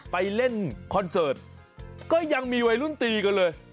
ไปเล่นคอนเสิร์ตก็ยังมีวัยรุ่นตีกันเลย